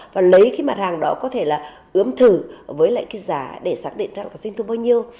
và lấy cái mặt hàng đó có thể là ướm thử với lại cái giá để xác định ra có sinh thuốc bao nhiêu